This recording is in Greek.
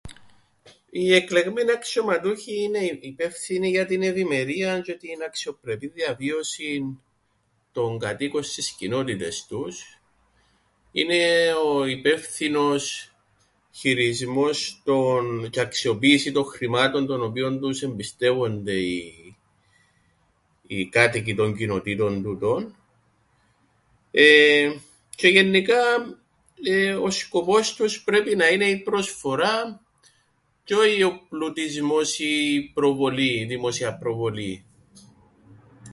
Οι εκλεγμένοι αξιωματούχοι είναι υπεύθυνοι για την ευημερίαν τζ̆αι την αξιοπρεπήν διαβίωσην των κατοίκων στις κοινότητες τους, είναι ο υπεύθυνος χειρισμός των... τζ̆' η αξιοποίηση των χρημάτων των οποίων τους εμπιστεύονται οι κάτοικοι των κοινοτήτων τούτων εεε τζ̆αι γεννικά ο σκοπός τους πρέπει να είναι η προσφορά τζ̆αι όι ο πλουτισμός ή η προβολή... η δημόσια προβολή.